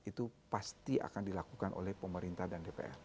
itu pasti akan dilakukan oleh pemerintah dan dpr